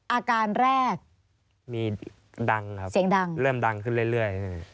อาการแรกมีดังครับเสียงดังเริ่มดังขึ้นเรื่อย